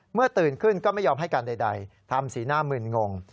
ตื่นขึ้นก็ไม่ยอมให้การใดทำสีหน้ามืนงง